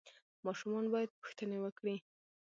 ماشومان باید پوښتنې وکړي.